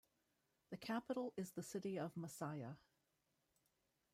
The capital is the city of Masaya.